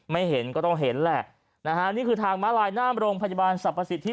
เห็นก็ต้องเห็นแหละนะฮะนี่คือทางม้าลายหน้าโรงพยาบาลสรรพสิทธิ